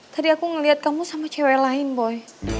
tadi aku ngeliat kamu sama cewek lain boy